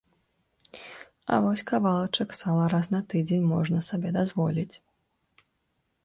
А вось кавалачак сала раз на тыдзень можна сабе дазволіць.